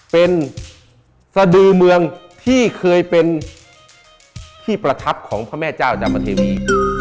เป็นสดือเมืองที่เคยเป็นที่ประทับของพระแม่เจ้าดำเทวี